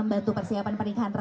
mari kita laksanakan pernikahan